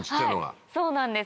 そうなんです。